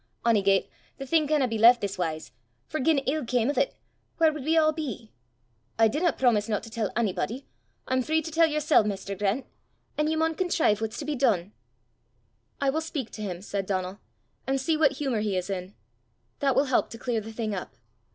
Ony gait, the thing canna be left this wise, for gien ill cam o' 't, whaur wud we a' be! I didna promise no to tell onybody; I'm free to tell yersel', maister Grant; an' ye maun contrive what's to be dune." "I will speak to him," said Donal, "and see what humour he is in. That will help to clear the thing up.